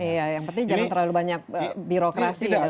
iya yang penting jangan terlalu banyak birokrasi ya